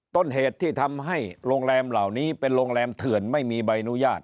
ต้นเหตุที่ทำให้โรงแรมเหล่านี้เป็นโรงแรมเถื่อนไม่มีใบอนุญาต